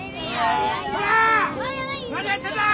何やってんだ！